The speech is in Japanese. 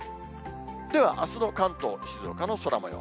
では、あすの関東、静岡の空もよう。